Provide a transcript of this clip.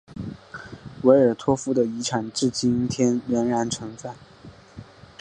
维尔托夫的遗产至今天仍然存在。